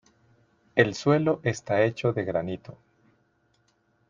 El suelo está hecho de granito.